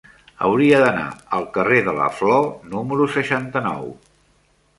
Hauria d'anar al carrer de la Flor número seixanta-nou.